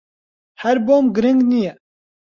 ھەر بۆم گرنگ نییە.